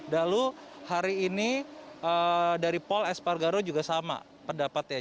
lalu hari ini dari pol espargaro juga sama pendapatnya